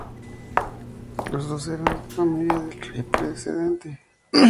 Los dos eran familia del rey precedente.